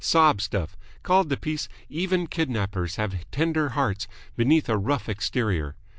Sob stuff. Called the piece 'Even Kidnappers Have Tender Hearts Beneath A Rough Exterior.'